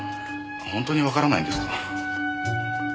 本当にわからないんですか？